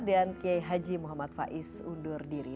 dan qiai haji muhammad faiz undur diri